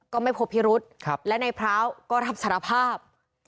ก็ไม่พบพิรุษและนายพร้าวก็รับสารภาพ